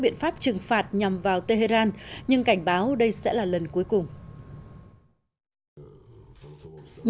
biện pháp trừng phạt nhằm vào tehran nhưng cảnh báo đây sẽ là lần cuối cùng